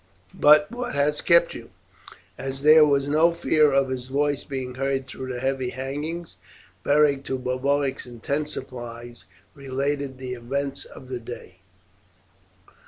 But what has kept you?" As there was no fear of his voice being heard through the heavy hangings, Beric, to Boduoc's intense surprise, related the events of the day.